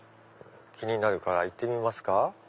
気になるから行ってみますか。